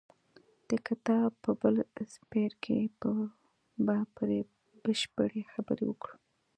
د کتاب په بل څپرکي کې به پرې بشپړې خبرې وکړو.